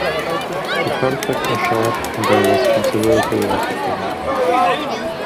The conflict was sharp and there was considerable loss of life.